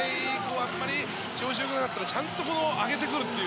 あんまり調子が良くなかったけどちゃんと上げてくるという。